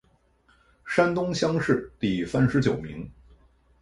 山东乡试第三十九名。